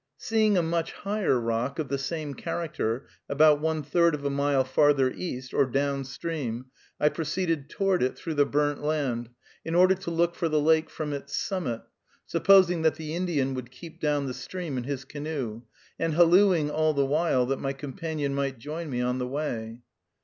Seeing a much higher rock, of the same character, about one third of a mile farther east, or down stream, I proceeded toward it, through the burnt land, in order to look for the lake from its summit, supposing that the Indian would keep down the stream in his canoe, and hallooing all the while that my companion might join me on the way.